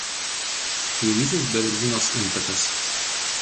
Kairysis Berezinos intakas.